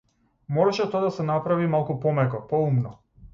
Мораше тоа да се направи малку помеко, поумно.